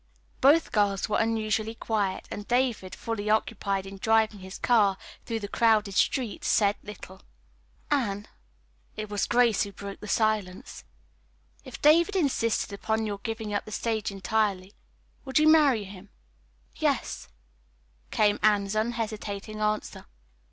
Both girls were unusually quiet, and David, fully occupied in driving his car through the crowded streets, said little. "Anne," it was Grace who broke the silence, "if David insisted upon your giving up the stage entirely, would you marry him?" "Yes," came Anne's unhesitating answer.